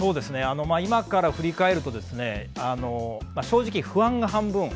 今から振り返ると正直、不安が半分。